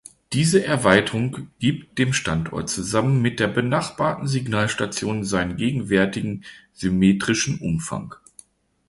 Diese Erweiterung gibt dem Standort zusammen mit der benachbarten Signalstation seinen gegenwärtigen symmetrischen Umfang.